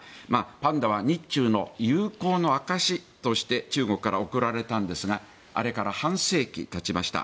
パンダは日中の友好の証しとして中国から贈られたんですがあれから半世紀経ちました。